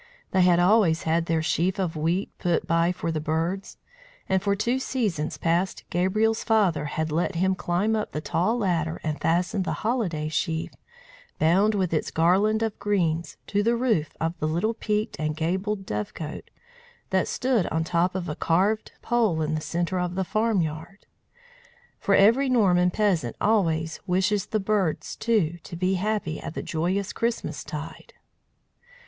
They had always had their sheaf of wheat put by for the birds; and for two seasons past Gabriel's father had let him climb up the tall ladder and fasten the holiday sheaf, bound with its garland of greens, to the roof of the little peaked and gabled dovecote that stood on top of a carved pole in the centre of the farmyard. For every Norman peasant always wishes the birds, too, to be happy at the joyous Christmas tide.